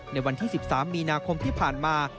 ในวันที่๑๓มีนาคมที่ผ่านมา